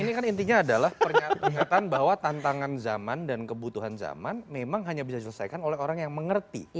ini kan intinya adalah pernyataan bahwa tantangan zaman dan kebutuhan zaman memang hanya bisa diselesaikan oleh orang yang mengerti